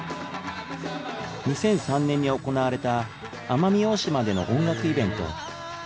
２００３年に行われた奄美大島での音楽イベント